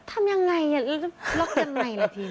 ทำยังไงล๊อคกันไหนละทีนี้